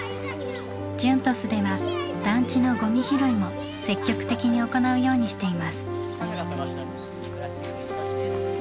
ＪＵＮＴＯＳでは団地のゴミ拾いも積極的に行うようにしています。